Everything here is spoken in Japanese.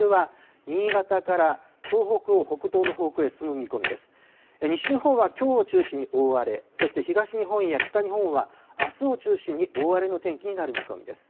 西日本はきょうを中心に大荒れ、そして東日本や北日本はあすを中心に大荒れの天気になる見込みです。